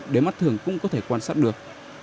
để mắt thường cũng có thể quan sát được